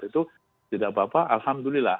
itu tidak apa apa alhamdulillah